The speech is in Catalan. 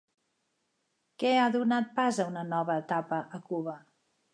Què ha donat pas a una nova etapa a Cuba?